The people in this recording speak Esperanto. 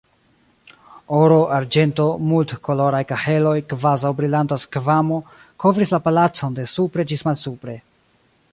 Oro, arĝento, multkoloraj kaheloj, kvazaŭ brilanta skvamo, kovris la palacon de supre ĝis malsupre.